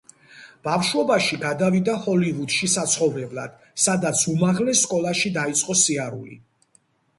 ბავშვობაში გადავიდა ჰოლივუდში საცხოვრებლად სადაც უმაღლეს სკოლაში დაიწყო სიარული.